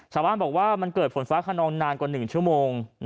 ชาวบ้านบอกว่ามันเกิดฝนฟ้าขนองนานกว่า๑ชั่วโมง